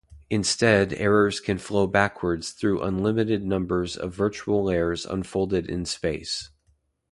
Instead errors can flow backwards through unlimited numbers of virtual layers unfolded in space.